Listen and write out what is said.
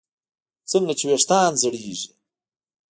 څنګه چې ویښتان زړېږي